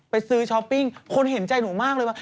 ไปซื้อช้อปปิ้งคนเห็นใจหนูมากเลยว่า